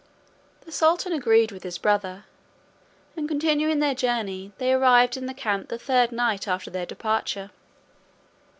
The sultan agreed with his brother; and continuing their journey, they arrived in the camp the third night after their departure.